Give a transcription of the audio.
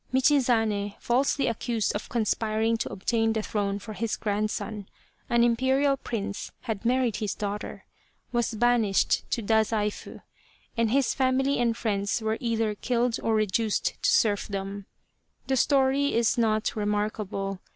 Michizane, falsely accused of conspiring to obtain the throne for his grandson an Imperial prince had married his daughter was banished to Dazaifu, and his family and friends were either killed or reduced to serfdom. The story is not remarkable.